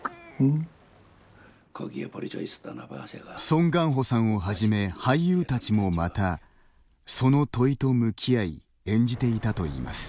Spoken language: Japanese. ソン・ガンホさんをはじめ俳優たちもまたその問いと向き合い演じていたといいます。